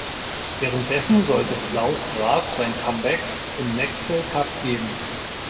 Währenddessen sollte Klaus Graf sein Comeback im Nextel Cup geben.